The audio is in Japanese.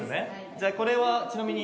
じゃあこれはちなみに。